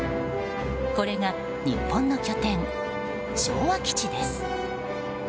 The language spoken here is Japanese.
これが、日本の拠点昭和基地です。